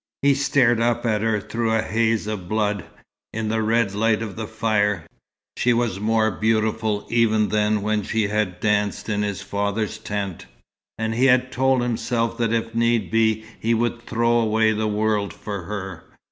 He stared up at her through a haze of blood. In the red light of the fire, she was more beautiful even than when she had danced in his father's tent, and he had told himself that if need be he would throw away the world for her.